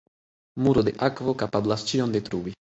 Muro de akvo kapablas ĉion detrui.